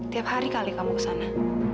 tiap hari kali kamu kesana